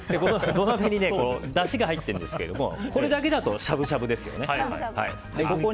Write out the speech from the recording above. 土鍋にだしが入ってるんですがこれだけだとしゃぶしゃぶですよね。